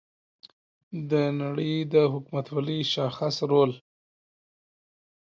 د نړۍ د حکومتولۍ شاخص رول